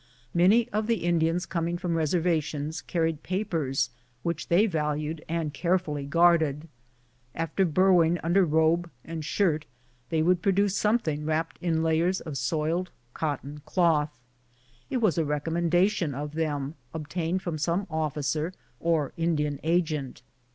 Many of the Indians coming from reservations carried papers which they valued and carefully guarded. After burrowing under robe and shirt, something was produced wrapped in layers of soiled cotton cloth. It was a rec ommendation of them obtained from some officer or Indian agent.